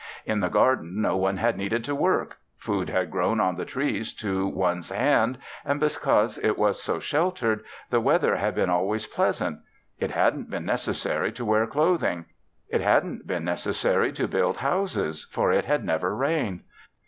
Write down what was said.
In the garden no one had needed to work: food had grown on the trees to one's hand and, because it was so sheltered, the weather had been always pleasant. It hadn't been necessary to wear clothing; it hadn't been necessary to build houses, for it had never rained.